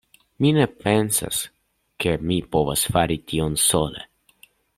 Mi ne pensas ke mi povas fari tion sole.